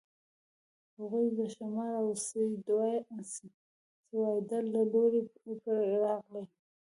هغوی له شمال او د سیوایډل له لوري پر راغلي.